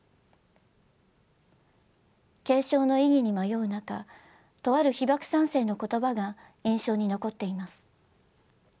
継承の意義に迷う中とある被爆三世の言葉が印象に残っています。